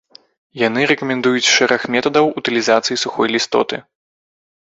Яны рэкамендуюць шэраг метадаў утылізацыі сухой лістоты.